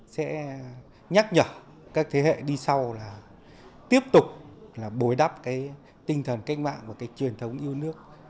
sẽ nhắc nhở các thế hệ đi sau là tiếp tục là bối đắp cái tinh thần cách mạng và cái truyền thống yêu nước